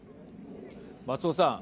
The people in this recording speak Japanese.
松尾さん。